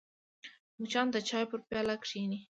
مچان د چای پر پیاله کښېني